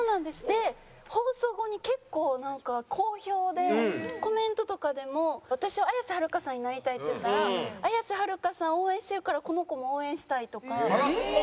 で放送後に結構なんか好評でコメントとかでも「私は綾瀬はるかさんになりたい」って言ったら「綾瀬はるかさん応援してるからこの子も応援したい」とか。